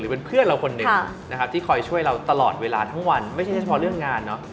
เป็นเพื่อนเราคนหนึ่งนะครับที่คอยช่วยเราตลอดเวลาทั้งวันไม่ใช่เฉพาะเรื่องงานเนอะ